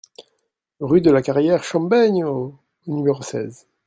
Rue de la Carrière Chembenyo au numéro seize